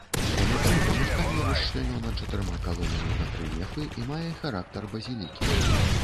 Унутры памяшканне расчлянёна чатырма калонамі на тры нефы і мае характар базілікі.